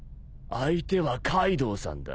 相手はカイドウさんだ。